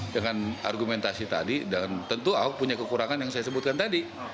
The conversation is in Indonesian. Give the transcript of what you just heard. dengan argumentasi tadi dan tentu ahok punya kekurangan yang saya sebutkan tadi